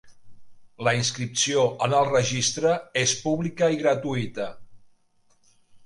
La inscripció en el Registre és pública i gratuïta.